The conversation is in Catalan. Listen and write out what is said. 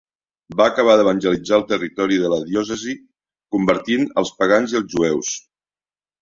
Va acabar d'evangelitzar el territori de la diòcesi, convertint els pagans i els jueus.